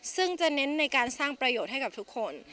ซึ่งจะเน้นในการสร้างประโยชน์ให้กับทุกคน